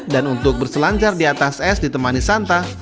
dan untuk berselancar di atas es ditemani santa